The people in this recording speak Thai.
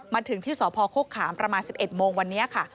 มาถึงที่สคขประมาณ๑๑โมงวันเนี้ยค่ะ